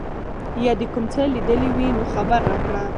یا دي کوم څه لیدلي وي نو خبر راکړه.